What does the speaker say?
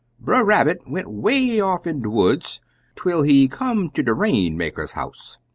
Brer Rabbit went 'way off in de woods twel he come ter de Rainmaker's house.